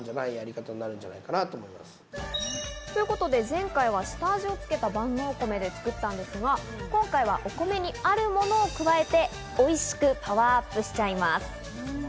前回は下味をつけた万能お米で作ったんですが、今回は、お米にあるものを加えて、おいしくパワーアップしちゃいます。